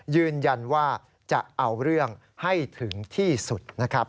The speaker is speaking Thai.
ยืนยันว่าจะเอาเรื่องให้ถึงที่สุดนะครับ